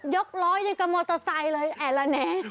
ยกร้อยกับมอเตอร์ไซค์เลยแอร์ละแนะ